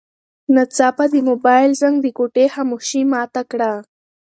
ناڅاپه د موبایل زنګ د کوټې خاموشي ماته کړه.